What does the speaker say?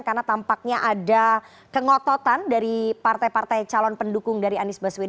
karena tampaknya ada kengototan dari partai partai calon pendukung dari ahy